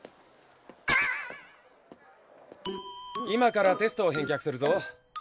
今からテストを返却するぞ。